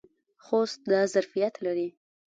خوست دا ظرفیت لري.